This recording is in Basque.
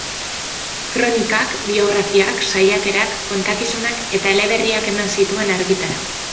Kronikak, biografiak, saiakerak, kontakizunak eta eleberriak eman zituen argitara.